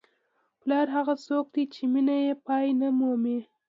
پلار هغه څوک دی چې مینه یې پای نه مومي.